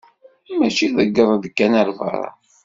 mačči ḍegger-d kan ar berra.